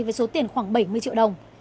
với số tiền khoảng bảy mươi triệu đồng